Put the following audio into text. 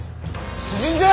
出陣じゃ！